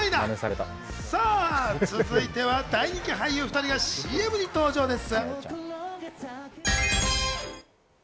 続いては大人気俳優２人がＣＭに登場です。